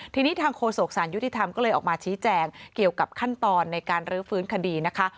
ทีนี้ทางโฆษกสารยุติธรรมก็เลยออกมาชี้แจงเกี่ยวกับขั้นตอนในการรื้อฟื้นคดีนะคะ